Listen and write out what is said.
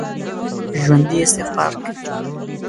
ژوندي استغفار کوي